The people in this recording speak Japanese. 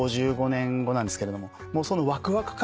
５５年後なんですけれどもそのワクワク感というか。